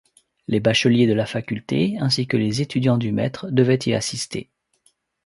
Les bacheliers de la faculté ainsi que les étudiants du maître devaient y assister.